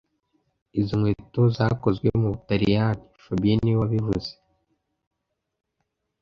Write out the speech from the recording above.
Izo nkweto zakozwe mu Butaliyani fabien niwe wabivuze